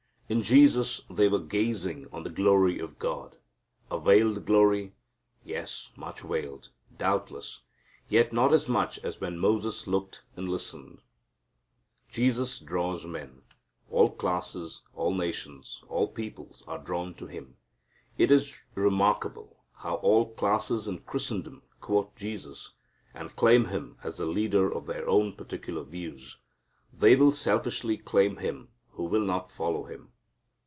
In Jesus they were gazing on the glory of God. A veiled glory? Yes, much veiled, doubtless, yet not as much as when Moses looked and listened. Jesus draws men. All classes, all nations, all peoples are drawn to Him. It is remarkable how all classes in Christendom quote Jesus, and claim Him as the leader of their own particular views. They will selfishly claim Him who will not follow Him.